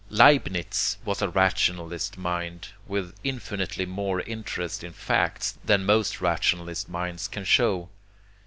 Leibnitz was a rationalist mind, with infinitely more interest in facts than most rationalist minds can show.